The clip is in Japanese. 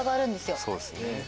そうですね。